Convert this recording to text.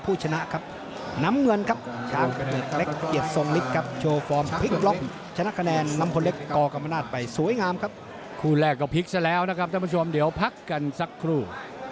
คู่แรกกับพลิกซะแล้วนะครับท่านผู้ชมเดี๋ยวพักกันสักครู่